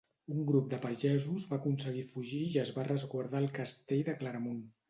Un grup de pagesos va aconseguir fugir i es va resguardar al castell de Claramunt.